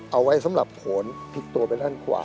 เอาไว้สำหรับโขนพลิกตัวไปด้านขวา